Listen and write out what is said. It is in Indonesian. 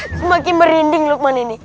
semakin merinding look man ini